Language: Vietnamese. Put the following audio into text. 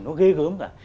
nó ghê gớm cả